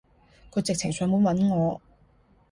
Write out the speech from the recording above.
佢直情上門搵我